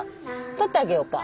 とってあげようか？